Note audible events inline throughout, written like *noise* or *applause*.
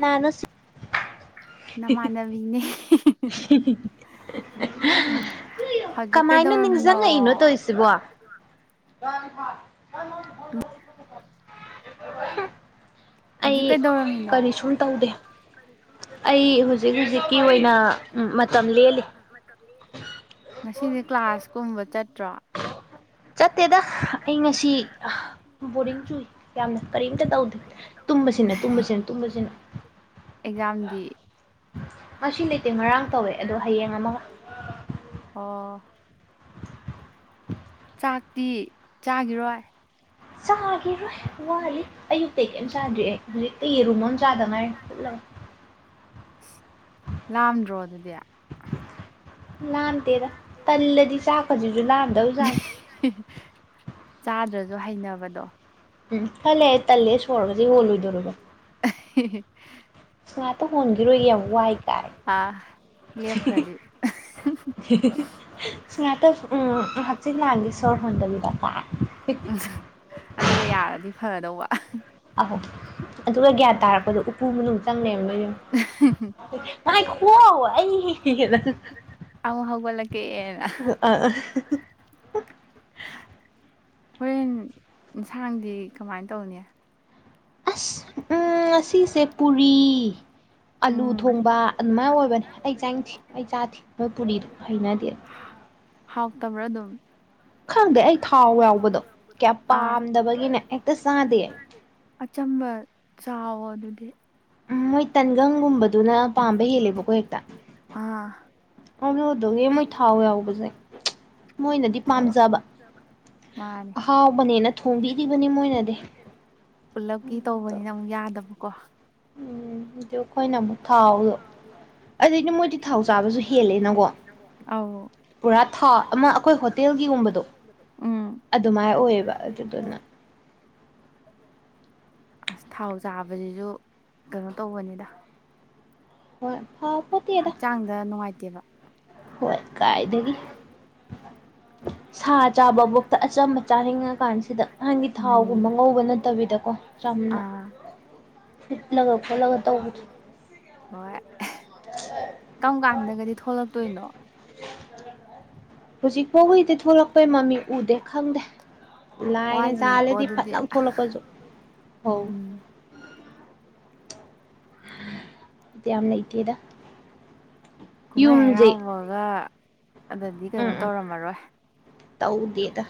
ꯀꯅꯥꯅꯣ ꯁꯤ ꯅꯃꯥꯟꯅꯕꯤꯅꯦ *inaudible* ꯍꯧꯖꯤꯛ ꯀꯃꯥꯏꯅ ꯀꯩꯗꯧꯔꯝꯃꯤꯅꯣ ꯅꯤꯡꯖꯪꯉꯛꯏꯅꯣ ꯇꯧꯏꯁꯤꯕꯣ ꯎꯝ ꯑꯩ ꯍꯧꯖꯤꯛ ꯀꯩꯗꯧꯔꯝꯃꯤꯅꯣ ꯀꯔꯤ ꯁꯨꯝ ꯇꯧꯗꯦ ꯑꯩ ꯍꯧꯖꯤꯛ ꯍꯧꯖꯤꯛꯀꯤ ꯑꯣꯏꯅ ꯑ ꯃꯇꯝ ꯂꯦꯜꯂꯤ ꯉꯁꯤꯗꯤ ꯀ꯭ꯂꯥꯁ ꯀꯨꯝꯕ ꯆꯠꯇ꯭ꯔꯣ *inaudible* ꯆꯠꯇꯦꯗ ꯑꯩ ꯉꯁꯤ ꯑ ꯕꯣꯔꯤꯡ ꯆꯨꯏ ꯌꯥꯝꯅ ꯀꯔꯤꯝꯇ ꯇꯧꯗꯦ ꯇꯨꯝꯕꯁꯤꯅ ꯇꯨꯝꯕꯁꯤꯅ ꯇꯨꯝꯕꯁꯤꯅ ꯑꯦꯛꯖꯥꯝꯗꯤ ꯃꯁꯤ ꯂꯩꯇꯦ ꯉꯔꯥꯡ ꯇꯧꯋꯦ ꯑꯗꯣ ꯍꯌꯦꯡ ꯑꯃꯒ ꯑꯣ ꯆꯥꯛꯇꯤ ꯆꯥꯈꯤꯔꯣꯏ꯫ ꯆꯥꯒꯤꯔꯣꯏ ꯋꯥꯠꯂꯤ ꯑꯌꯨꯛꯇ ꯀꯩꯝ ꯆꯥꯗ꯭ꯔꯤ ꯑꯩ ꯍꯧꯖꯤꯛꯇ ꯌꯦꯔꯨꯝ ꯑꯃ ꯆꯥꯗꯥꯉꯥꯏꯔꯤ ꯄꯨꯠꯂꯒ ꯑꯁ ꯂꯥꯝꯗ꯭ꯔꯣ ꯑꯗꯨꯗꯤ ꯂꯥꯝꯗꯦꯗ ꯇꯜꯂꯗꯤ ꯆꯥꯛ ꯀꯁꯤꯁꯨ ꯂꯥꯟꯗꯕ ꯖꯥꯠꯅꯤ ꯆꯥꯗ꯭ꯔꯥꯖꯨ ꯍꯩꯅꯕꯗꯣ ꯎꯝ ꯈꯔ ꯂꯩꯔ ꯇꯜꯂꯦ ꯁꯣꯔꯒꯁꯤ ꯍꯣꯜꯂꯣꯏꯗꯧꯔꯤꯕ꯫ ꯑꯍꯤ ꯍꯤ ꯉꯥꯛꯇ ꯍꯣꯟꯒꯤꯔꯣꯏꯒꯦ ꯌꯥꯝ ꯋꯥꯏ ꯀꯥꯏꯅ ꯂꯦꯞ ꯈ꯭ꯔꯗꯤ *unintelligible* ꯉꯍꯥꯛꯇ ꯎꯝ ꯍꯥꯆꯤꯛ ꯂꯥꯡꯒꯦ ꯁꯣꯔ ꯍꯟꯗꯕꯤꯗ ꯀꯥꯏꯅ ꯑꯗꯨꯒ ꯌꯥꯔꯗꯤ ꯐꯗꯧꯕ ꯑꯍꯧ ꯑꯗꯨꯒ ꯒ꯭ꯌꯥꯟ ꯇꯥꯔꯛꯄꯗ ꯎꯄꯨ ꯃꯅꯨꯡ ꯆꯪ ꯂꯩꯔꯝꯗꯣꯏꯅꯤ *unintelligible* ꯉꯥꯏꯈꯨꯋꯣ ꯑꯩ *unintelligible* ꯑꯃꯨꯛ ꯍꯧꯒꯠꯂꯛꯀꯦꯅ ꯑꯥ ꯍꯣꯔꯦꯟ ꯌꯦꯟꯁꯥꯡꯗꯤ ꯀꯃꯥꯏ ꯇꯧꯅꯤ ꯑꯁ ꯎꯝ ꯉꯁꯤꯁꯦ ꯄꯨꯔꯤ ꯑꯂꯨ ꯎꯝ ꯊꯣꯡꯕ ꯑꯗꯨꯃꯥꯏꯅ ꯑꯣꯏꯕꯅꯦ ꯑꯩ ꯆꯥꯅꯤꯡꯗꯦ ꯑꯩ ꯆꯥꯗꯦ ꯃꯣꯏ ꯄꯨꯔꯤꯗꯣ ꯍꯩꯅꯗꯦ ꯍꯥꯎꯇꯕ꯭ꯔꯥ ꯑꯗꯨꯝ ꯈꯪꯗꯦ ꯑꯩ ꯊꯥꯎ ꯌꯥꯎꯕꯗꯣ ꯀꯌꯥ ꯑꯥ ꯄꯥꯝꯗꯕꯒꯤꯅꯦ ꯍꯦꯛꯇ ꯆꯥꯗꯦ ꯑꯆꯝꯕ ꯆꯥꯎꯋꯣ ꯑꯗꯨꯗꯤ ꯎꯝ ꯃꯣꯏ ꯇꯟꯒꯪꯒꯨꯝꯕꯗꯨꯅ ꯄꯥꯝꯕ ꯍꯦꯜꯂꯦꯕꯀꯣ ꯍꯦꯛꯇ ꯑꯥ ꯑꯗꯨꯗꯨꯒꯤ ꯃꯣꯏ ꯊꯥꯎ ꯌꯥꯎꯕꯁꯦ ꯃꯣꯏꯅꯗꯤ ꯄꯥꯝꯖꯕ ꯃꯥꯅꯦ ꯑꯍꯥꯎꯕꯅꯦꯅ ꯊꯣꯡꯕꯤꯔꯤꯕꯅꯤ ꯃꯣꯏꯅꯗꯤ ꯄꯨꯂꯞꯀꯤ ꯑꯗꯣ ꯇꯧꯕꯅꯤꯅ ꯑꯃꯨꯛ ꯌꯥꯗꯕꯀꯣ ꯎꯝ ꯑꯗꯨ ꯑꯩꯈꯣꯏꯅ ꯑꯃꯨꯛ ꯊꯥꯎꯗꯣ ꯑꯗꯨꯏꯗꯤ ꯃꯣꯏꯗꯤ ꯊꯥꯎ ꯆꯥꯕꯁꯨ ꯍꯦꯜꯂꯦꯅꯀꯣ ꯑꯧ ꯄꯨꯔꯥ ꯊꯥ ꯑꯃ ꯑꯈꯣꯏ ꯍꯣꯇꯦꯜꯒꯤꯒꯨꯝꯕꯗꯣ ꯎꯝ ꯑꯗꯨꯃꯥꯏꯅ ꯑꯣꯏꯌꯦꯕ ꯑꯗꯨꯗꯨꯅ ꯑꯁ ꯊꯥꯎ ꯆꯥꯕꯖꯤꯖꯨ ꯀꯩꯅꯣ ꯇꯧꯕꯅꯤꯗ ꯍꯣꯏ ꯐ ꯐꯠ ꯍꯛꯆꯥꯡꯗ ꯅꯨꯡꯉꯥꯏꯇꯦꯕ ꯍꯣꯏ ꯀꯥꯏꯗꯒꯤ ꯁꯥ ꯆꯥꯕꯐꯧꯇ ꯑꯆꯝꯕ ꯆꯥꯅꯤꯡꯉ ꯀꯥꯟꯁꯤꯗ ꯅꯪꯒꯤ ꯎꯝ ꯊꯥꯎꯒꯨꯝꯕ ꯉꯧꯕ ꯅꯠꯇꯕꯤꯗꯀꯣ ꯆꯝꯅ ꯑꯥ ꯐꯨꯠꯂꯒ ꯈꯣꯠꯂꯒ ꯇꯧꯕꯗꯣ ꯍꯣꯏ ꯀꯔꯝ ꯀꯥꯟꯗꯒꯗꯤ ꯊꯣꯛꯂꯛꯇꯣꯏꯅꯣ ꯍꯧꯖꯤꯛ ꯐꯧꯗꯤ ꯊꯣꯛꯂꯛꯄꯩ ꯃꯃꯤ ꯎꯗꯦ ꯈꯪꯗꯦ ꯂꯥꯏꯅ ꯋꯥꯠꯂꯤꯀꯣ ꯆꯥꯜꯂꯗꯤ ꯐꯠ ꯑꯗꯨꯗꯤ ꯂꯥꯎꯅ ꯊꯣꯛꯂꯛꯄꯁꯨ ꯑꯣ ꯎꯝ ꯕꯤꯠ ꯌꯥꯝ ꯂꯩꯇꯦꯗ ꯀꯨꯝꯍꯩ ꯌꯨꯝꯁꯦ ꯍꯔꯥꯎꯒꯨꯝꯕꯒ ꯑꯗꯗꯤ ꯀꯩꯅꯣ ꯎꯝ ꯎꯝ ꯇꯧꯔꯝꯃꯔꯣꯏ ꯇꯧꯗꯦꯗ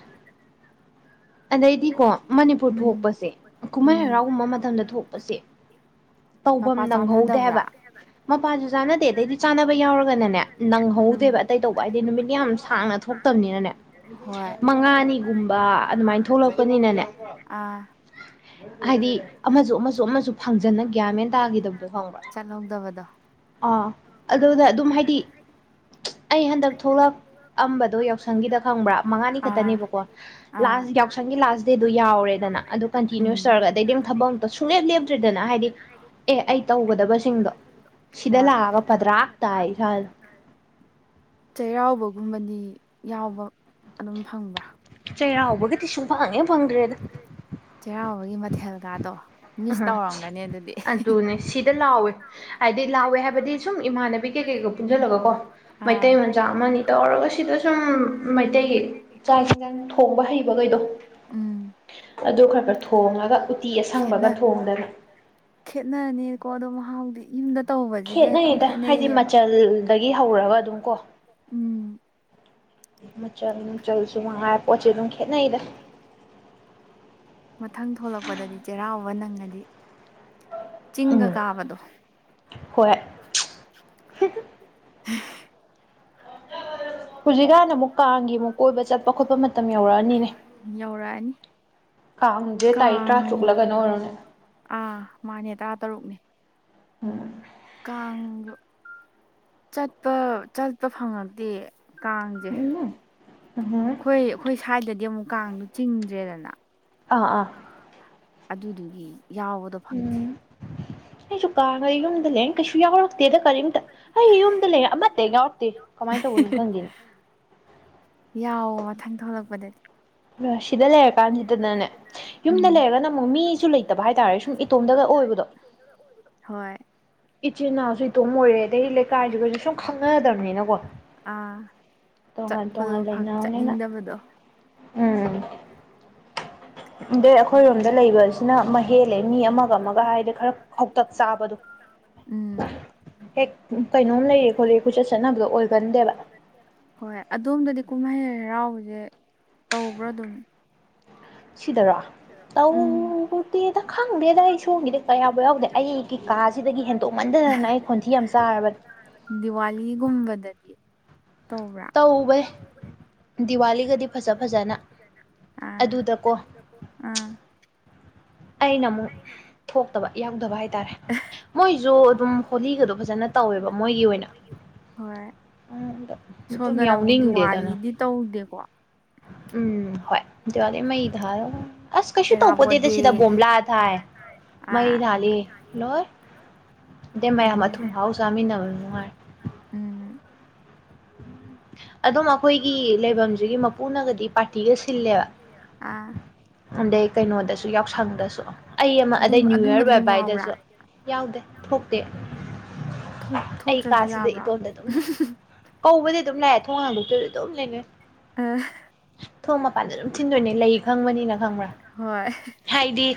ꯑꯗꯩꯗꯤꯀꯣ ꯃꯅꯤꯄꯨꯔ ꯎꯝ ꯊꯣꯛꯄꯁꯦ ꯀꯨꯝꯍꯩ ꯎꯝ ꯍꯔꯥꯎꯒꯨꯝꯕ ꯃꯇꯝꯗ ꯊꯣꯛꯄꯁꯦ, ꯇꯧꯕꯝ ꯃꯄꯥ ꯅꯪꯍꯧꯗꯦ ꯆꯥꯅꯗꯕ꯭ꯔꯥ ꯍꯥꯏꯕ꯫ ꯃꯄꯥꯁꯨ ꯆꯥꯟꯅꯗꯦ ꯑꯗꯩꯗꯤ ꯆꯥꯅꯕ ꯌꯥꯎꯔꯒꯅꯅꯦ ꯎꯝ ꯅꯪꯍꯧꯗꯦꯕ ꯑꯇꯩ ꯇꯧꯕ ꯍꯥꯏꯗꯤ ꯅꯨꯃꯤꯠ ꯌꯥꯝ ꯁꯥꯡꯅ ꯊꯣꯛ *unintelligible* ꯃꯉꯥꯅꯤꯒꯨꯝꯕ ꯑꯗꯨꯃꯥꯏꯅ ꯊꯣꯛꯂꯛꯄꯅꯤꯅꯅꯦ꯫ ꯑꯥ ꯍꯥꯏꯗꯤ ꯑꯃꯁꯨ ꯑꯃꯁꯨ ꯑꯃꯁꯨ ꯐꯪꯖꯟꯅ ꯒ꯭ꯌꯥꯟ ꯃꯦꯟ ꯇꯥꯈꯤꯗꯕꯗꯣ ꯈꯪꯕ꯭ꯔꯥ? ꯆꯠꯍꯧꯗꯕꯗꯣ ꯑ ꯑꯗꯨꯅ ꯑꯗꯨꯝ ꯍꯥꯏꯗꯤ, ꯑꯩ ꯍꯟꯗꯛ ꯊꯣꯛꯂꯛꯑꯝꯕꯗꯣ ꯌꯥꯎꯁꯪꯒꯤꯗ ꯈꯪꯕ꯭ꯔꯥ ꯃꯉꯥꯅꯤ ꯑꯥ ꯈꯛꯇꯅꯦꯕꯀꯣ꯫ ꯑꯥ ꯂꯥꯁ ꯌꯥꯎꯁꯪꯒꯤ ꯂꯥꯁ ꯗꯦꯗꯣ ꯌꯥꯎꯔꯦꯗꯅ ꯑꯗꯨ ꯎꯝ ꯀꯟꯇꯤꯅ꯭ꯌꯨꯁ ꯇꯧꯔꯒ ꯑꯗꯩꯗꯤ ꯑꯗꯨꯝ ꯊꯕꯛ ꯑꯝꯇ ꯁꯨꯡꯂꯦꯞ ꯂꯦꯞꯇ꯭ꯔꯤꯗꯅ ꯍꯥꯏꯗꯤ, ꯑꯦ ꯑꯩ ꯇꯧꯒꯗꯕꯁꯤꯡꯗꯣ ꯁꯤꯗ ꯍꯣꯏ ꯂꯥꯛꯑꯒ ꯄꯗ꯭ꯔꯥꯛ ꯇꯥꯏ ꯏꯁꯥꯗꯣ꯫ ꯆꯩꯔꯥꯎꯕꯒꯨꯝꯕꯗꯤ ꯌꯥꯎꯕ ꯑꯗꯨꯝ ꯐꯪꯕ꯭ꯔꯥ? ꯆꯩꯔꯥꯎꯕꯒꯗꯤ ꯁꯨꯡꯐꯪ ꯍꯦꯛ ꯐꯪꯗ꯭ꯔꯦꯗ꯫ ꯆꯩꯔꯥꯎꯕꯒꯤ ꯃꯊꯦꯜ ꯀꯗꯣ꯫ ꯑꯗꯨꯅꯦ ꯁꯤꯗ ꯂꯥꯎꯋꯦ꯫ ꯍꯥꯏꯗꯤ ꯂꯥꯛꯋꯦ ꯍꯥꯏꯕꯗꯤ ꯁꯨꯝ ꯏꯃꯥꯟꯅꯕꯤ ꯀꯩꯀꯩꯒ ꯄꯨꯟꯁꯤꯜꯂꯒ ꯀꯣ꯫ ꯑꯥ ꯃꯩꯇꯩ ꯃꯆꯥ ꯑꯃꯅꯤ ꯇꯧꯔꯒ ꯁꯤꯗ ꯁꯨꯝ ꯃꯩꯇꯩꯒꯤ ꯆꯥꯛꯁꯤꯟꯖꯥꯡ ꯊꯣꯡꯕ ꯍꯩꯕꯈꯩꯗꯣ꯫ ꯎꯝ ꯑꯗꯨ ꯈꯔ ꯈꯔ ꯊꯣꯡꯉꯒ ꯎꯇꯤ ꯑꯁꯪꯕꯒ ꯊꯣꯡꯗꯅ꯫ ꯈꯦꯠꯅꯅꯤꯀꯣ ꯑꯗꯣ ꯃꯍꯥꯎꯗꯤ ꯌꯨꯝꯗ ꯇꯧꯕꯁꯤꯒ ꯑꯗꯨꯝ ꯈꯦꯠꯅꯩꯌꯦꯕ꯫ ꯗꯒꯤ ꯍꯧꯔꯒ ꯑꯗꯨꯝ ꯀꯣ, ꯎꯝ ꯃꯆꯜ ꯅꯨꯡꯆꯜꯁꯨ ꯃꯉꯥꯏ ꯄꯣꯠꯁꯦ ꯑꯗꯨꯝ ꯈꯦꯠꯅꯩꯗ꯫ ꯃꯊꯪ ꯊꯣꯂꯛꯄꯗꯗꯤ ꯆꯩꯔꯥꯎꯕ ꯅꯪꯉꯗꯤ ꯆꯤꯡꯒ ꯎꯝ ꯀꯥꯕꯗꯣ꯫ ꯍꯣꯏ꯫ ꯍꯧꯖꯤꯛꯀꯥꯟꯅ ꯑꯃꯨꯛ ꯀꯥꯡꯒꯤ ꯑꯃꯨꯛ ꯀꯣꯏꯕ ꯆꯠꯄ ꯈꯣꯠꯄ ꯃꯇꯝ ꯌꯧꯔꯛꯑꯅꯤꯅꯦ꯫ ꯌꯧꯔꯛꯑꯅꯤ ꯀꯥꯡꯁꯦ ꯇꯥꯔꯤꯛ ꯀꯥꯡ ꯇꯔꯥꯇꯔꯨꯛ ꯂ ꯀꯩꯅꯣ ꯑꯣꯏꯔꯝꯅꯤ꯫ ꯑꯥ ꯃꯥꯅꯦ ꯇꯔꯥ ꯇꯔꯨꯛꯅꯦ꯫ ꯎꯝ ꯀꯥꯡꯗꯣ ꯆꯠꯄ ꯆꯠꯄ ꯐꯪꯉꯛꯇꯦ꯫ ꯀꯥꯡꯁꯦ ꯎꯝ ꯎꯝ ꯑꯩꯈꯣꯏ ꯑꯩꯈꯣꯏ ꯁꯥꯏꯗꯗꯤ ꯑꯃꯨꯛ ꯀꯥꯡꯗꯣ ꯆꯤꯡꯗ꯭ꯔꯦꯗꯅ꯫ ꯑꯥ ꯑꯥ ꯑꯗꯨꯗꯨꯒꯤ ꯌꯥꯎꯕꯗ ꯐꯪꯗꯦ꯫ ꯎꯝ ꯑꯩꯁꯨ ꯀꯥꯟꯉꯦ ꯌꯨꯝꯗ ꯂꯩꯔꯦꯅ ꯀꯩꯁꯨ ꯌꯥꯎꯔꯛꯇꯦꯗ ꯀꯔꯤꯝꯇ꯫ ꯑꯩ ꯌꯨꯝꯗ ꯂꯩꯔ ꯑꯃꯠꯇ ꯌꯥꯎꯔꯛꯇꯦ ꯀꯃꯥꯏꯅ ꯇꯧꯕꯅꯣ ꯈꯪꯗꯦꯅꯦ꯫ ꯌꯥꯎꯋꯣ ꯃꯊꯪ ꯊꯣꯛꯂꯛꯄꯗꯗꯤ꯫ ꯁꯤꯗ ꯂꯩꯔꯀꯥꯟꯁꯤꯗꯅꯅꯦ, ꯎꯝ ꯌꯨꯝꯗ ꯂꯩꯔꯒꯅ ꯑꯃꯨꯛ ꯃꯤꯁꯨ ꯂꯩꯇꯕ ꯍꯥꯏꯇꯥꯔꯦ ꯁꯨꯝ ꯏꯇꯣꯝꯗꯒ ꯑꯣꯏꯕꯗꯣ꯫ ꯍꯣꯏ ꯏꯆꯤꯟ ꯏꯅꯥꯎꯁꯨ ꯏꯇꯣꯝ ꯑꯣꯏꯔꯦ ꯑꯗꯩ ꯂꯩꯀꯥꯏꯗꯨꯒꯁꯨ ꯁꯨꯝ ꯈꯪꯅꯗ꯭ꯔꯝꯅꯤꯅꯀꯣ꯫ ꯑꯥ ꯇꯣꯡꯉꯥꯟ ꯆꯠꯄꯗꯣ ꯇꯣꯡꯉꯥꯟ ꯂꯩꯅꯥꯕꯅꯤꯅ ꯆꯠꯅꯤꯡꯗꯕꯗꯣ ꯎꯝ꯫ ꯑꯗꯩ ꯑꯩꯈꯣꯏꯔꯣꯝꯗ *unintelligible* ꯂꯩꯕꯁꯤꯅ ꯑꯃ ꯍꯦꯜꯂꯦ ꯃꯤ ꯑꯃꯒ ꯑꯃꯒ ꯍꯥꯏꯗꯤ ꯈꯔ ꯈꯧꯇꯛ ꯆꯥꯕꯗꯣ ꯎꯝ ꯍꯦꯛ ꯀꯩꯅꯣꯝ ꯂꯩꯌꯦ ꯈꯣꯠꯂꯦ ꯀꯣꯏꯆꯠ ꯆꯠꯅꯕꯗꯣ ꯑꯣꯏꯒꯟꯗꯦꯕ꯫ ꯍꯣꯏ ꯑꯗꯣꯝꯗꯗꯤ ꯀꯨꯝꯍꯩ ꯍꯔꯥꯎꯕꯁꯦ ꯇꯧꯕ꯭ꯔꯥ ꯑꯗꯨꯝ꯫ ꯁꯤꯗꯔꯣ? ꯎꯝ ꯇꯧꯕꯗꯦꯗ ꯈꯪꯗꯦꯗ ꯑꯩ ꯁꯣꯝꯒꯤꯗꯤ ꯀꯌꯥꯕꯨ ꯌꯥꯎꯗꯦ ꯑꯩꯒꯤ ꯀꯥꯁꯤꯗꯒꯤ ꯍꯦꯟꯗꯣꯛꯃꯟꯗꯗꯅ ꯑꯩ ꯈꯣꯟꯊꯤ ꯌꯥꯝ ꯆꯥꯔꯕꯅꯦ꯫ ꯗꯤꯋꯥꯂꯤ ꯒꯨꯝꯕꯗꯗꯤ ꯇꯧꯕ꯭ꯔꯥ? ꯇꯧꯋꯦ꯫ ꯗꯤꯋꯥꯒꯗꯤ ꯐꯖ ꯐꯖꯅ ꯑꯗꯨꯗꯀꯣ ꯑꯗꯨꯗ ꯀꯣ꯫ ꯑꯩꯅ ꯑꯃꯨꯛ ꯊꯣꯛꯇꯕ ꯌꯥꯎꯗꯕ ꯍꯥꯏꯇꯥꯔꯦ꯫ ꯃꯣꯏꯁꯨ ꯑꯗꯨꯝ ꯍꯣꯂꯤꯒꯗꯣ ꯐꯖꯅ ꯇꯧꯋꯦꯕ ꯃꯣꯏꯒꯤ ꯑꯣꯏꯅ꯫ ꯍꯣꯏ ꯑꯗꯨꯝ ꯁꯣꯝꯗꯅ ꯑꯃꯨꯛ ꯌꯥꯎꯅꯤꯡꯗꯦꯗꯅ ꯗꯤꯋꯥꯂꯤꯗꯤ ꯇꯧꯗꯦꯀꯣ꯫ ꯎꯝ ꯍꯣꯏ ꯗꯤꯋꯥꯂꯤ ꯃꯩ ꯊꯥꯜꯂꯒ ꯑꯁ ꯀꯩꯁꯨ ꯇꯧꯄꯣꯠꯇꯦꯗ ꯑꯦꯔꯥꯕꯣꯗꯦ ꯁꯤꯗ ꯕꯣꯝꯂꯥ ꯊꯥꯏ꯫ ꯃꯩ ꯑꯥ ꯊꯥꯜꯂꯤ ꯂꯣꯏ ꯑꯗꯩ ꯃꯌꯥꯝ ꯑꯗꯨꯒ ꯑꯊꯨꯝ ꯑꯐꯥꯎ ꯆꯥꯃꯤꯟꯅꯕ ꯅꯨꯡꯉꯥꯏ꯫ ꯎꯝ *inaudible* ꯑꯗꯨꯝ ꯑꯩꯈꯣꯏꯒꯤ ꯂꯩꯐꯝꯁꯤꯒꯤ ꯃꯄꯨꯅꯒꯗꯤ ꯃꯄꯨꯒꯗꯤ ꯄꯥꯔꯇꯤꯒ ꯄꯥꯂ ꯁꯤꯜꯂꯦꯕ ꯁꯤꯂꯦꯕ꯫ ꯑꯗꯩ ꯀꯩꯅꯣꯗꯁꯨ ꯌꯥꯎꯁꯪꯗꯁꯨ ꯑꯩ ꯑꯃ ꯑꯗꯨꯝ ꯑꯗꯩ ꯅ꯭ꯌꯨ ꯌꯔ ꯑꯗꯨꯝꯕꯗꯤ ꯑꯗꯨꯝ ꯌꯥꯎꯕ꯭ꯔꯥ ꯕꯥꯏꯕꯥꯏꯗꯁꯨ꯫ ꯌꯥꯎꯗꯦ ꯊꯣꯛꯇꯦ ꯑꯩ ꯊꯣꯛꯇ꯭ꯔꯁꯨ ꯀꯥꯁꯤꯗ ꯌꯥꯕ꯭ꯔꯥ ꯏꯇꯣꯟꯗ ꯑꯗꯨꯝ ꯂꯩ ꯀꯧꯕꯗꯤ ꯑꯗꯨꯝ ꯂꯥꯛꯑꯦ ꯊꯣꯡ ꯍꯥꯡꯗꯣꯛꯇꯕꯤ ꯑꯗꯨꯝ ꯂꯩꯗꯣꯏꯅꯦ꯫ ꯑ ꯊꯣꯡ ꯃꯄꯥꯟꯗ ꯑꯗꯨꯝ ꯊꯤꯟꯗꯣꯏꯅꯦ ꯂꯩ ꯈꯪꯕꯅꯤꯅ ꯈꯪꯕ꯭ꯔꯥ꯫ ꯍꯣꯏ꯫ ꯍꯥꯏꯗꯤ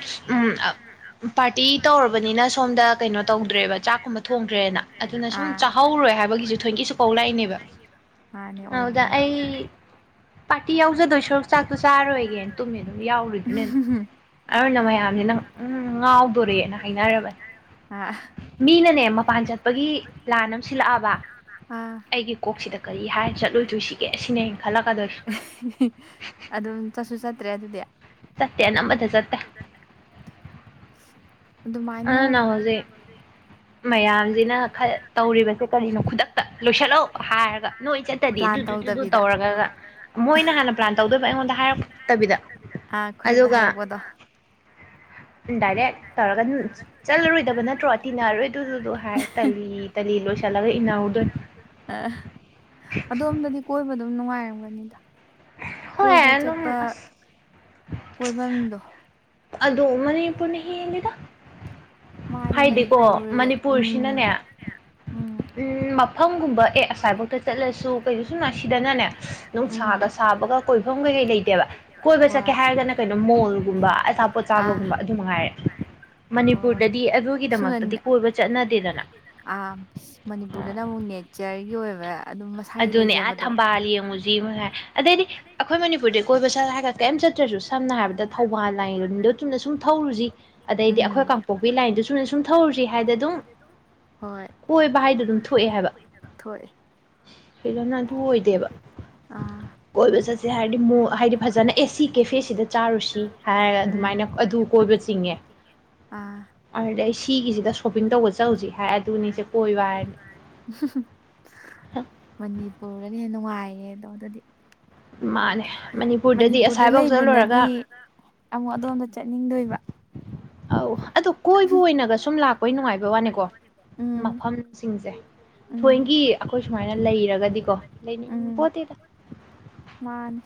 ꯄꯥꯔꯇꯤ ꯇꯧꯔꯕꯅꯤꯅ ꯁꯣꯝꯗ ꯀꯩꯅꯣ ꯇꯧꯗ꯭ꯔꯦꯕ ꯆꯥꯛꯀꯨꯝꯕ ꯊꯣꯡꯗ꯭ꯔꯦꯅ꯫ ꯑꯗꯨꯅ ꯁꯨꯝ ꯑꯥ ꯆꯥꯍꯧꯔꯣꯏ ꯍꯥꯏꯕꯒꯤꯁꯨ ꯊꯣꯏꯦꯟꯀꯤꯁꯨ ꯀꯧꯂꯛꯏꯅꯦꯕ꯫ ꯃꯥꯅꯦ *unintelligible* ꯑꯣꯏꯗꯣꯏꯅꯦ ꯄꯥꯔꯇꯤ ꯌꯥꯎꯖꯗꯣꯏ ꯁꯣꯔꯨꯛ ꯆꯥꯛꯇꯣ ꯆꯥꯔꯣꯏꯒꯦꯅ ꯇꯨꯝꯃꯦ ꯑꯗꯨꯝ ꯌꯥꯎꯔꯤꯗꯨꯅꯦꯗꯨꯝ꯫ ꯑꯗꯨꯅ ꯃꯌꯥꯝꯁꯤꯅ ꯅꯪ ꯎꯝ ꯉꯥꯎꯗꯣꯔꯦꯅ ꯍꯥꯏꯅꯔꯕꯅꯤ꯫ ꯑꯥ ꯃꯤꯅꯅꯦ ꯃꯄꯥꯟ ꯆꯠꯄꯒꯤ ꯂ꯭ꯂꯥꯟ ꯑꯃ ꯁꯤꯜꯂꯛꯑꯕ, ꯑꯥ ꯑꯩꯒꯤ ꯀꯣꯛꯁꯤꯗ ꯀꯔꯤ ꯍꯥꯏꯔ ꯆꯠꯂꯣꯏꯗꯣꯏ ꯁꯤꯒꯦ ꯁꯤꯅꯦ ꯑꯩꯅ ꯈꯜꯂꯛꯀꯗꯣꯏꯁꯦ꯫ ꯑꯗꯨꯝ ꯆꯠꯁꯨ ꯆꯠꯇ꯭ꯔꯦ ꯑꯗꯨꯗꯤ? ꯆꯠꯇꯦ ꯅꯝꯕꯗ ꯆꯠꯇꯦ꯫ ꯑꯗꯨꯃꯥꯏꯅ ꯑꯗꯨꯅ ꯍꯧꯖꯤꯛ ꯃꯌꯥꯝꯁꯤꯅ ꯇꯧꯔꯤꯕꯁꯦ ꯀꯔꯤꯅꯣ ꯈꯨꯗꯛꯇ ꯂꯣꯏꯁꯤꯜꯂꯣ ꯍꯥꯏꯔꯒ ꯅꯣꯏ ꯆꯠ ꯇꯗꯤ ꯄ꯭ꯂꯥꯟ ꯑꯗꯨꯗꯨ ꯑꯗꯨꯗꯨ ꯇꯧꯗꯕꯤꯗ ꯇꯧꯔꯒ ꯃꯣꯏꯅ ꯍꯥꯟꯅ ꯄ꯭ꯂꯥꯟ ꯇꯧꯗꯕ ꯑꯩꯉꯣꯟꯗ ꯍꯥꯏꯔꯛꯇꯕꯤꯗ꯫ ꯑ ꯈꯨꯗꯛꯇ ꯑꯗꯨꯒ ꯍꯥꯏꯔꯛꯄꯗꯣ꯫ ꯗꯥꯏꯔꯦꯛ ꯇꯧꯔꯒ꯫ ꯆꯠꯂꯔꯣꯏꯗꯕ ꯅꯠꯇ꯭ꯔꯣ ꯇꯤꯟꯅꯔꯔꯣꯏꯗꯨꯗꯨꯗꯣ ꯍꯥꯏꯔ ꯇꯂꯤ ꯇꯂꯤ ꯂꯣꯏꯁꯤꯜꯂꯒ ꯏꯟꯅꯔꯨꯗꯣꯏꯅꯦ꯫ ꯑꯗꯣꯝꯗꯗꯤ ꯀꯣꯏꯕ ꯑꯗꯨꯝ ꯅꯨꯡꯉꯥꯏꯔꯝꯒꯅꯤꯗ꯫ ꯍꯣꯏ ꯀꯣꯏꯕ ꯑꯗꯨꯝ ꯆꯠꯄ ꯑꯁ ꯀꯣꯏꯐꯝꯗꯣ꯫ ꯑꯗꯣ ꯃꯅꯤꯄꯨꯔꯅ ꯍꯦꯜꯂꯤꯗ꯫ ꯃꯥꯅꯦ ꯍꯥꯏꯗꯤꯀꯣ ꯃꯅꯤꯄꯨꯔ ꯎꯝ ꯃꯅꯤꯄꯨꯔꯁꯤꯅꯅꯦ ꯎꯝ ꯃꯐꯝꯒꯨꯝꯕ ꯑꯦ ꯑꯁꯥꯏꯐꯧꯇ ꯆꯠꯂꯁꯨ ꯀꯩꯗ ꯁꯨꯝ ꯁꯤꯗꯅꯅꯦ ꯎꯝ ꯅꯨꯡꯁꯥꯒ ꯁꯥꯕꯒ, ꯀꯣꯏꯐꯝ ꯀꯩꯀꯩ ꯂꯩꯇꯦꯕ ꯀꯣꯏꯕ ꯍꯣꯏ ꯆꯠꯀꯦ ꯍꯥꯏꯔꯒꯅ ꯀꯩꯅꯣ ꯃꯣꯜꯒꯨꯝꯕ, ꯑꯆꯥꯄꯣꯠ ꯑꯥ ꯆꯥꯕꯒꯨꯝꯕ ꯑꯗꯨ ꯃꯉꯥꯏꯔꯦ꯫ ꯑꯣ ꯃꯅꯤꯄꯨꯔꯗꯗꯤ ꯁꯨꯃꯟ ꯑꯗꯨꯒꯤꯗꯃꯛꯇꯗꯤ ꯀꯣꯏꯕ ꯆꯠꯅꯗꯦꯗꯅ꯫ ꯑꯥ ꯃꯅꯤꯄꯨꯔꯗꯅ ꯑꯃꯨꯛ ꯅꯦꯆꯔꯒꯤ ꯑꯣꯏꯕ ꯑꯗꯨꯝ ꯃꯁꯥꯒꯤ ꯑꯗꯨꯅꯦ ꯑꯥ ꯂꯩꯖꯕꯗꯣ ꯊꯝꯕꯥꯜ ꯌꯦꯡꯉꯨꯁꯤ ꯑꯗꯩꯗꯤ ꯑꯩꯈꯣꯏ ꯃꯅꯤꯄꯨꯔꯗ ꯀꯣꯏꯕ ꯆꯠꯂ ꯍꯥꯏꯒ ꯀꯩꯝ ꯆꯠꯇ꯭ꯔꯁꯨ ꯁꯝꯅ ꯍꯥꯏꯔꯕꯗ ꯊꯧꯕꯥꯜ ꯂꯥꯏꯟ ꯗꯣ ꯆꯨꯝꯅ ꯁꯨꯝ ꯊꯧꯔꯨꯁꯤ ꯑꯗꯩꯗꯤ ꯑꯩꯈꯣꯏ ꯎꯝ ꯀꯥꯡ ꯄꯣꯛꯄꯤ ꯂꯥꯏꯟꯗꯨ ꯁꯨꯅ ꯁꯨꯝ ꯊꯧꯔꯨꯁꯤ ꯍꯥꯏꯗꯤꯅ ꯑꯗꯨꯝ, ꯍꯣꯏ ꯍꯣꯏꯕꯚꯥꯏꯗ *unintelligible* ꯃꯥꯏꯗ ꯑꯗꯨꯝ ꯊꯣꯛꯏ ꯍꯥꯏꯕ ꯊꯣꯛꯏ ꯐꯖꯅ ꯑꯗꯨ ꯑꯣꯏꯗꯦꯕ ꯑꯥ ꯀꯣꯏꯕ ꯆꯠꯁꯦ ꯍꯥꯏꯔꯗꯤ ꯃ ꯍꯥꯏꯗꯤ ꯐꯖꯅ ꯑꯦꯁꯤ ꯀꯦꯐꯦꯁꯤꯗ ꯆꯥꯔꯨꯁꯤ ꯍꯥꯏꯔ ꯎꯝ ꯑꯗꯨꯃꯥꯏꯅ ꯑꯗꯨ ꯀꯣꯏꯕ ꯆꯤꯡꯉꯦ ꯑꯥ ꯑꯗꯨꯗꯤ ꯁꯤꯒꯤꯁꯤꯗ ꯁꯣꯞꯄꯤꯡ ꯇꯧꯕ ꯆꯧꯁꯤ ꯍꯥꯏ ꯑꯗꯨꯅꯤꯁꯦ ꯀꯣꯏ ꯥꯏ *unintelligible* *unintelligible* ꯃꯅꯤꯄꯨꯔꯗꯅ ꯍꯦꯟꯅ ꯅꯨꯡꯉꯥꯏꯔꯦ ꯑꯗꯣ ꯑꯗꯨꯗꯤ ꯃꯥꯅꯦ ꯃꯅꯤꯄꯨꯔꯗꯗꯤ ꯑꯁꯥꯏꯐꯥꯎ ꯆꯠꯂꯨꯔꯒ ꯑꯧ ꯑꯗꯣꯝꯗ ꯆꯠꯅꯤꯡꯗꯣꯏꯕ ꯑꯧ ꯑꯗꯣ ꯀꯣꯏꯕ ꯑꯣꯏꯅꯒ ꯁꯨꯝ ꯂꯥꯛꯄꯩ ꯅꯨꯡꯉꯥꯏꯕ ꯋꯥꯅꯤꯀꯣ ꯎꯝ ꯃꯐꯝꯁꯤꯡꯁꯦ ꯎꯝ ꯊꯣꯏꯒꯤ ꯑꯩꯈꯣꯏ ꯁꯨꯃꯥꯏꯅ ꯂꯩꯔꯒꯗꯤꯀꯣ ꯂꯩꯅꯤꯡ ꯎꯝ ꯄꯣꯠꯇꯦꯗ ꯃꯥꯅꯦ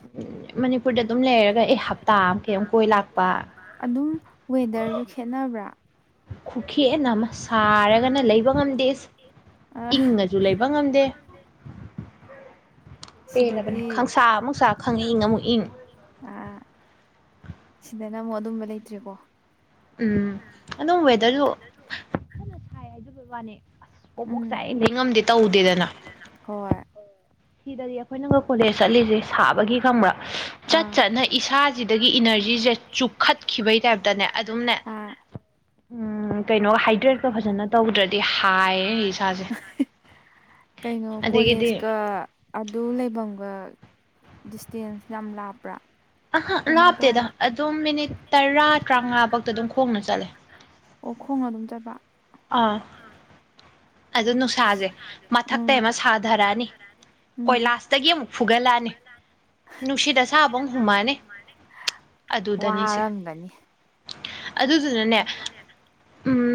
ꯃꯅꯤꯄꯨꯔꯗ ꯑꯗꯨꯝ ꯂꯩꯔꯒ ꯑꯩ ꯍꯞꯇꯥ ꯑꯃ ꯀꯩ ꯑꯃꯨꯛ ꯀꯣꯏ ꯂꯥꯛꯄ ꯑꯗꯨꯝ ꯃ‌ꯣꯏ ꯑꯗꯥꯏꯗꯨ ꯈꯦꯠꯅꯕ꯭ꯔꯥ ꯈꯨꯈꯦꯅ ꯑꯃ ꯁꯥꯔꯒꯅ ꯂꯩꯕ ꯉꯝꯗꯦ ꯑꯥ ꯏꯪꯅꯁꯨ ꯂꯩꯕ ꯉꯝꯗꯦ ꯁꯤꯗꯗꯤ ꯈꯪꯁꯥ ꯑꯃꯨꯛ ꯁꯥ ꯈꯪꯏꯪ ꯑꯃꯨꯛ ꯏꯪ ꯑꯥ ꯁꯤꯗꯅ ꯑꯃꯨꯛ ꯑꯗꯨꯝꯕ ꯂꯩꯇ꯭ꯔ‌ꯦꯀꯣ ꯎꯝ ꯑꯗꯨꯝ ꯋꯦꯗꯔꯗꯨ ꯀꯟꯅ ꯁꯥꯏ ꯍꯥꯏꯖꯕꯩ ꯋꯥꯅꯤ ꯑꯁ ꯄ꯭ꯔ‌ꯣꯛ ꯄ꯭ꯔ‌ꯣꯛ ꯎꯝ ꯆꯥꯛꯏ ꯂꯩ ꯉꯝꯗꯦ ꯇꯧꯗꯦꯗꯅ ꯍꯣꯏ ꯁꯤꯗꯗꯤ ꯑꯩꯈꯣꯏꯅ ꯀꯣꯂꯦꯖ ꯆꯠꯂꯤꯁꯦ ꯁꯥꯕꯒꯤ ꯈꯪꯕ꯭ꯔꯥ ꯆꯠ ꯑꯥ ꯆꯠꯅ ꯏꯁꯥꯁꯤꯗꯒꯤ ꯏꯅꯔꯖꯤꯁꯦ ꯆꯨꯞ ꯈꯠꯈꯤꯕꯩ ꯇꯥꯏꯞꯇꯅꯦ ꯑꯗꯨꯝꯅꯦ ꯎꯝ ꯀꯩꯅꯣ ꯍꯥꯏꯗ꯭ꯔꯦꯠꯀ ꯐꯖꯅ ꯇꯧꯗ꯭ꯔꯗꯤ ꯍꯥꯏꯌꯦ ꯑꯩ ꯏꯁꯥꯁꯦ ꯀꯩꯅꯣ ꯑꯗꯒꯤꯗꯤ ꯀꯣꯂꯦꯖꯀ ꯑꯗꯨ ꯂꯩꯐꯝꯒ ꯗꯤꯁꯇꯦꯟꯁ ꯌꯥꯝ ꯂꯥꯞꯄ꯭ꯔꯥ ꯑꯍ ꯀꯃꯥꯏ ꯂꯥꯞꯇꯦꯗ ꯇꯧꯔ‌ꯦ *unintelligible* ꯑꯗꯨꯝ ꯃꯤꯅꯤꯠ ꯇꯔꯥ ꯇꯔꯥꯃꯉꯥ ꯐꯧꯇ ꯇꯥꯃꯉꯥ ꯐꯧꯗ ꯈꯣꯡꯅ ꯑꯗꯨꯝ ꯆꯠꯂꯦ ꯐꯣꯡꯅꯔꯦ ꯑꯣ ꯈꯣꯡꯅ ꯑꯗꯨꯝ ꯆꯠꯄ ꯑꯥ ꯑꯥ ꯑꯗꯨ ꯅꯨꯡꯁꯥꯁꯦ ꯃꯊꯛꯇ ꯑꯃ ꯁꯥꯊꯔꯛꯑꯅꯤ ꯀꯣꯏꯂꯥꯁꯇꯒꯤ ꯑꯃꯨꯛ ꯐꯨꯒꯠꯂꯛꯑꯅꯤ ꯅꯨꯡꯁꯤꯠ ꯅꯨꯡꯁꯤ ꯑꯁꯥꯕ ꯑꯃꯨꯛ ꯍꯨꯝꯃꯛꯑꯅꯤ ꯑꯗꯨꯗꯅꯤꯁꯦ ꯋꯥꯔꯝꯒꯅꯤ *unintelligible* ꯑꯗꯨꯗꯨꯅꯅꯦ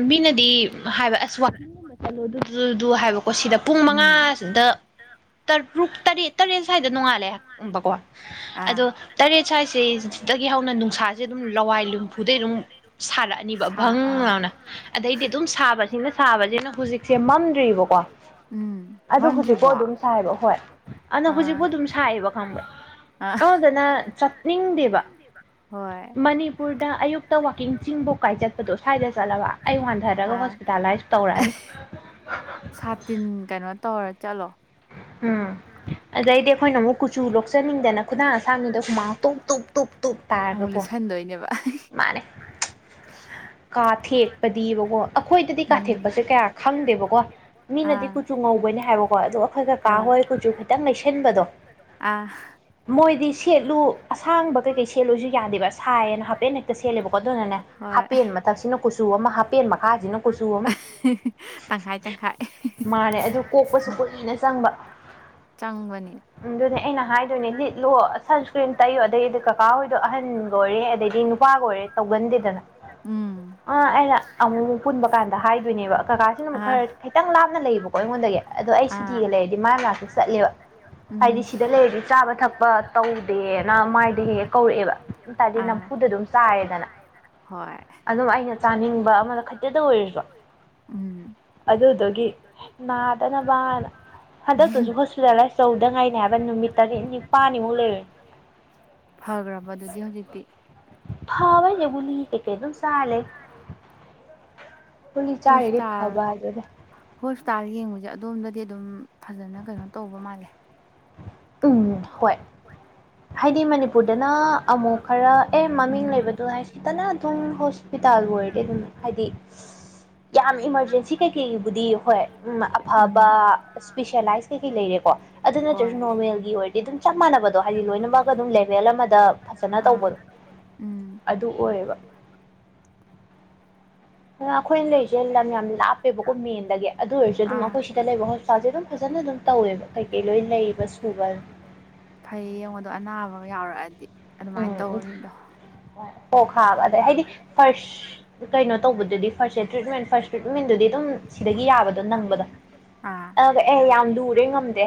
ꯃꯤꯅꯗꯤ ꯍꯥꯏꯕ ꯑꯁ ꯋꯥꯀꯤꯡꯒꯨꯝꯕ ꯆꯠꯂꯣ ꯑꯗꯨꯗꯨ ꯑꯗꯨ ꯍꯥꯏꯕꯀꯣ ꯁꯤꯗ ꯄꯨꯡ ꯎꯝ ꯃꯉꯥꯁꯤꯗ ꯇꯔꯨꯛ ꯇꯔꯦꯠ ꯇꯔꯦꯠ ꯁ꯭ꯋꯥꯏꯗ ꯅꯣꯡꯉꯥꯜꯂꯦ ꯎꯕꯀꯣ ꯑꯥ ꯑꯗꯣ ꯇꯔꯦꯠ ꯁ꯭ꯋꯥꯏꯁꯦ ꯁꯤꯗꯒꯤ ꯍꯧꯅ ꯅꯨꯡꯁꯥꯁꯦ ꯑꯗꯨꯝ ꯂꯋꯥꯏ ꯂꯨꯝꯐꯨꯗꯩ ꯑꯗꯨꯝ ꯁꯥꯔꯛꯑꯅꯦꯕ ꯁꯥ ꯕꯪ ꯑꯥ ꯂꯥꯎꯅ ꯑꯗꯩꯗꯤ ꯑꯗꯨꯝ ꯁꯥꯕꯁꯤꯅ ꯁꯥꯕꯁꯤꯅ ꯍꯧꯖꯤꯛꯁꯦ‌ ꯃꯝ ꯎꯝ ꯑꯗꯨ ꯍꯧꯖꯤꯛꯄꯥꯎ ꯃꯝꯗ꯭ꯔꯤꯕꯣ ꯑꯥ ꯑꯗꯨꯝ ꯁꯥꯏꯕ ꯍꯣꯏ ꯑꯗꯨꯅ ꯍꯧꯖꯤꯛꯄꯨ ꯑꯗꯨꯝ ꯁꯥꯏꯌꯦꯕ ꯈꯪꯕ꯭ꯔꯣ ꯑ ꯍꯣꯏ *unintelligible* ꯃꯅꯤꯄꯨꯔꯗ ꯑꯌꯨꯛꯇ ꯋꯥꯛꯀꯤꯡ ꯆꯤꯡꯐꯧ ꯀꯥꯏ ꯆꯠꯄꯗꯣ ꯁ꯭ꯋꯥꯏꯗ ꯆꯠꯂꯕ ꯑꯩ ꯋꯥꯟꯊꯔꯒ ꯑꯥ ꯍꯣꯁꯄꯤꯇꯥꯂꯥꯏꯁ ꯇꯧꯔꯛꯑꯅꯤ ꯑ *inaudible* ꯁꯥꯇꯤꯟ ꯀꯩꯅꯣ ꯇꯧꯔ ꯆꯠꯂꯣ ꯎꯝ ꯑꯗꯩꯗꯤ ꯑꯩꯈꯣꯏꯅ ꯑꯃꯨꯛ ꯀꯨꯆꯨ ꯂꯣꯛꯆꯅꯤꯡꯗꯅ ꯈꯨꯗꯥꯡ ꯑꯁꯥꯡꯕꯤꯗꯣ ꯍꯨꯃꯥꯡ ꯇꯣꯞ ꯇꯣꯞ ꯇꯣꯞ ꯇꯣꯞ ꯇꯥꯔꯒ ꯑꯃꯨꯛ ꯀꯣ ꯂꯤꯠꯁꯟꯗꯣꯏꯅꯦꯕ ꯀꯥꯊꯦꯛꯄꯗꯤꯕꯀꯣ ꯑꯩꯈꯣꯏꯗꯗꯤ ꯎꯝ ꯀꯥꯊꯦꯛꯄꯁꯦ ꯀꯌꯥ ꯈꯪꯗꯦꯕꯀꯣ ꯃꯤꯅꯗꯤ ꯑꯥ ꯀꯨꯆꯨ ꯉꯧꯕꯅꯦ ꯍꯥꯏꯕꯀꯣ ꯑꯗ ꯑꯩꯈꯣꯏ ꯀꯀꯥ ꯍꯣꯏ ꯀꯨꯆꯨ ꯈꯤꯇꯪ ꯅꯩꯁꯟꯕꯗꯣ ꯑꯥ ꯃꯣꯏꯗꯤ ꯁꯦꯠꯂꯨ ꯑꯁꯥꯡꯕ ꯀꯩꯀꯩ ꯁꯦꯠꯂꯣꯏꯁꯨ ꯌꯥꯗꯦꯕ ꯁꯥꯏꯌꯦꯅ ꯍꯥꯐꯄꯦꯠ ꯍꯦꯛꯇ ꯁꯦꯠꯂꯦꯕꯀꯣ ꯑꯗꯨꯅꯅꯦ ꯍꯣꯏ ꯍꯥꯄꯦꯟ ꯃꯊꯛꯁꯤꯅ ꯀꯨꯆꯨ ꯑꯃ ꯍꯥꯄꯦꯟ ꯃꯈꯥꯁꯤꯅ ꯀꯨꯆꯨ ꯑꯃ ꯇꯪꯈꯥꯏ ꯇꯪꯈꯥꯏ ꯃꯥꯅꯦ ꯑꯗꯨ ꯀꯣꯛꯄꯁꯨ ꯀꯨꯏꯅ ꯆꯪꯕ ꯆꯪꯕ ꯎ ꯑꯗꯨꯅꯦ ꯑꯩꯅ ꯍꯥꯏꯗꯣꯏꯅꯦ ꯂꯤꯠꯂꯣ ꯁꯟꯁꯀ꯭ꯔꯤꯟ ꯇꯩꯌꯣ ꯑꯗꯩꯗꯤ ꯀꯀꯥ ꯍꯣꯏꯗꯣ ꯑꯍꯟ ꯒ ꯑꯣꯏꯔꯦ ꯑꯗꯩꯗꯤ ꯅꯨꯄꯥꯒ ꯑꯣꯏꯔꯦ ꯇꯧꯒꯟꯗꯦꯗꯅ ꯎꯝ ꯑ ꯑꯩꯅ ꯑꯃꯨꯛ ꯑꯃꯨꯛ ꯄꯨꯟꯕ ꯀꯥꯟꯗ ꯍꯥꯏꯗꯣꯏꯅꯦꯕ ꯀꯀꯥꯁꯤꯅ ꯑꯃꯨꯛ ꯑꯥ ꯈꯔ ꯈꯤꯇꯪ ꯂꯥꯞꯅ ꯂꯩꯌꯦꯕꯀꯣ ꯑꯩꯉꯣꯟꯗꯒꯤ ꯑꯗꯣ ꯑꯩ ꯑꯥ ꯁꯨꯇꯤꯒ ꯂꯩꯔꯗꯤ ꯃꯥꯒꯤ ꯅꯥꯛꯇ ꯆꯠꯂꯦꯕ ꯍꯥꯏꯗꯤ ꯎꯝ ꯁꯤꯗ ꯂꯩꯔꯗꯤ ꯆꯥꯕ ꯊꯛꯄ ꯇꯧꯗꯦꯅ ꯃꯥꯏꯗꯤ ꯍꯦꯛ ꯍꯦꯛ ꯀꯧꯔꯛꯑꯦꯕ ꯑꯗꯨ ꯇꯔꯗꯤ ꯑꯥ ꯅꯝꯐꯨꯗ ꯑꯗꯨꯝ ꯆꯥꯔꯦꯗꯅ ꯍꯣꯏ ꯑꯗꯨꯝ ꯑꯩꯅ ꯆꯥꯅꯤꯡꯕ ꯑꯃꯗ ꯈꯥꯖꯤꯛꯇꯥ ꯑꯣꯏꯔꯁꯨ ꯎꯝ ꯑꯗꯨꯗꯨꯒꯤ ꯅꯥꯗꯅꯕꯅ ꯍꯟꯗꯛꯇꯁꯨ ꯍꯣꯁꯄꯤꯇꯥꯂꯥꯏꯁ ꯇꯧꯒꯤꯗ ꯉꯥꯏꯅꯦ ꯍꯥꯏꯕ ꯅꯨꯃꯤꯠ ꯇꯔꯦꯠ ꯅꯤꯄꯥꯜꯅꯤꯃꯨꯛ ꯂꯩꯔꯒ ꯐꯈ꯭ꯔꯕ ꯑꯗꯨꯗꯤ ꯍꯧꯖꯤꯛꯇꯤ ꯐꯕꯩꯅꯦ ꯀꯨꯂꯤ ꯀꯩ ꯀꯩ ꯑꯗꯨꯝ ꯆꯥ ꯂꯩ ꯒꯨꯂꯤ ꯆꯥꯔꯤꯗꯤ ꯍꯣꯁꯇꯥꯜ ꯐꯕ ꯍꯥꯏꯗꯨꯅꯦ ꯍꯣꯁꯄꯤꯇꯥꯜ ꯌꯦꯡꯕꯁꯦ ꯑꯗꯣꯝꯗꯗꯤ ꯑꯗꯨꯝ ꯐꯖꯅ ꯀꯩꯅꯣ ꯇꯧꯕ ꯃꯥꯜꯂꯦ ꯎꯝ ꯍꯣꯏ ꯍꯥꯏꯗꯤ ꯃꯅꯤꯄꯨꯔꯗꯅ ꯑꯃꯨꯛ ꯈꯔ ꯑꯦ ꯃꯃꯤꯡ ꯎꯝ ꯂꯩꯕꯗꯣ ꯍꯥꯏ ꯐꯖꯅ ꯑꯗꯨꯝ ꯍꯣ ꯍꯣꯁꯄꯤꯇꯥꯜꯕꯨ ꯑꯣꯏꯔꯗꯤ ꯑꯗꯨꯝ ꯍꯥꯏꯗꯤ ꯌꯥꯝ ꯏꯃꯥꯔꯖꯦꯟꯁꯤ ꯀꯩꯀꯩꯕꯨꯗꯤ ꯍꯣꯏ ꯎꯝ ꯎꯝ ꯑꯐꯕ ꯏꯁꯄꯤꯁꯦꯂꯥꯏꯁ ꯀꯩꯀꯩ ꯂꯩꯔꯦꯀꯣ ꯑꯗꯨ ꯅꯠꯇ꯭ꯔꯁꯨ ꯍꯣꯏ ꯅꯣꯔꯃꯦꯜꯒꯤ ꯑꯣꯏꯔꯗꯤ ꯑꯗꯨꯝ ꯆꯞ ꯃꯥꯟꯅꯕꯗꯣ ꯍꯥꯏꯗꯤ ꯂꯣꯏꯅꯃꯛ ꯑꯗꯨꯝ ꯂꯦꯚꯦꯜ ꯑꯃꯗ ꯐꯖꯅ ꯑꯥ ꯇꯧꯕꯗꯣ ꯎꯝ ꯑꯗꯨ ꯑꯣꯏꯌꯦꯕ ꯑꯩꯈꯣꯏꯅ ꯂꯩꯔꯤꯁꯦ ꯂꯝ ꯌꯥꯝ ꯂꯥꯞꯄꯦꯕꯀꯣ ꯃꯦꯟꯗꯒꯤ ꯑꯗꯨ ꯑꯣꯏꯔꯁꯨ ꯑꯗꯨꯝ ꯑꯥ ꯑꯩꯈꯣꯏ ꯁꯤꯗ ꯂꯩꯕ ꯥꯑꯗꯥ ꯑꯗꯨꯝ ꯐꯖꯅ ꯑꯗꯨꯝ ꯇꯧꯋꯦꯕ ꯀꯩꯀꯩ ꯂꯣꯏ ꯂꯩꯕ ꯁꯨꯕ ꯐꯩ ꯌꯦꯡꯉꯣꯗꯣ ꯑꯅꯥꯕꯒ ꯌꯥꯎꯔꯛꯑꯗꯤ ꯑꯗꯨꯃꯥꯏꯅ ꯇꯧꯔꯤꯗꯣ ꯍ *unintelligible* ꯑꯣ ꯈꯥꯕ ꯑꯗꯩ ꯍꯥꯏꯗꯤ ꯐꯥꯔꯁ ꯀꯩꯅꯣ ꯇꯧꯕꯗꯨꯗꯤ ꯐꯥꯔꯁꯁꯦ ꯇ꯭ꯔꯤꯠꯃꯦꯟ ꯐꯥꯔꯁ ꯇ꯭ꯔꯤꯠꯃꯦꯟꯗꯨꯗꯤ ꯑꯗꯨꯝ ꯁꯤꯗꯒꯤ ꯌꯥꯕꯗꯣ ꯅꯪꯕꯗꯣ ꯑꯥ ꯑꯦ ꯌꯥꯝ ꯂꯨꯔꯦ ꯉꯝꯗꯔꯦ